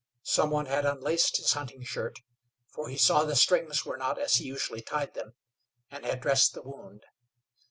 Some one had unlaced his hunting shirt for he saw the strings were not as he usually tied them and had dressed the wound.